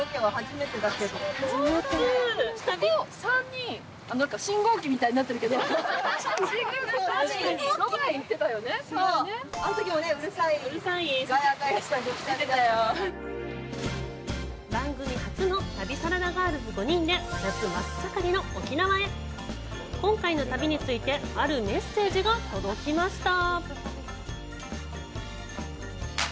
３人番組初の旅サラダガールズ５人で夏真っ盛りの沖縄へ今回の旅についてあるメッセージが届きました